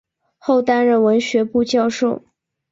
后担任文学部教授。